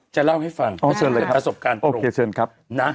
จะเล่าให้ฟันโอเคเชิญครับ